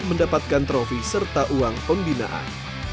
mendapatkan trofi serta uang pembinaan